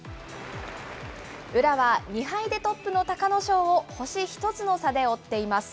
宇良は、２敗でトップの隆の勝を、星１つの差で追っています。